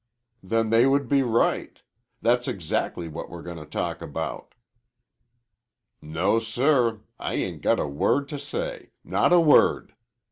"Then they would be right. That's exactly what we're gonna talk about." "No, sir! I ain't got a word to say not a word!"